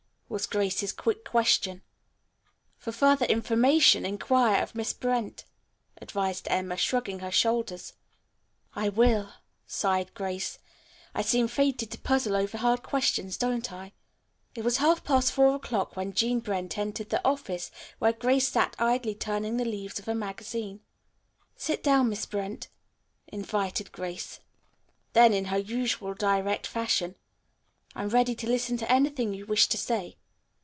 was Grace's quick question. "For further information inquire of Miss Brent," advised Emma, shrugging her shoulders. "I will," sighed Grace. "I seem fated to puzzle over hard questions, don't I?" It was half past four o'clock when Jean Brent entered the office where Grace sat idly turning the leaves of a magazine. "Sit down, Miss Brent," invited Grace. Then in her usual direct fashion, "I am ready to listen to anything you wish to say."